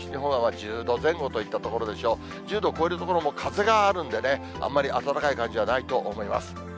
１０度を超える所も風があるんでね、あんまり暖かい感じはないと思います。